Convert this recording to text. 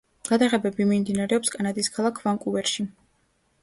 გადაღებები მიმდინარეობს კანადის ქალაქ ვანკუვერში.